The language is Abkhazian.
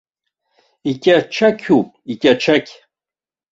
Иқьачақьуп, иқьачақь!